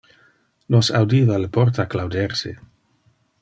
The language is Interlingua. Nos audiva le porta clauder se.